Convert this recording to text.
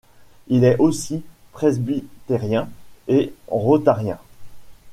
Il est aussi presbytérien et rotarien.